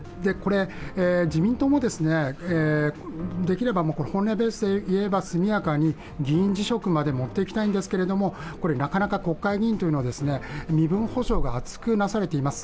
自民党もできれば本音ベースで言えば速やかに議員辞職まで持って行きたいんですけどもなかなか国会議員というのは身分保証が厚くなされています。